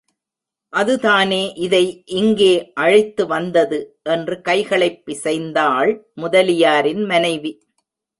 அதுதானே இதை இங்கே அழைத்து வந்தது! என்று கைகளைப் பிசைந்தாள் முதலியாரின் மனைவி.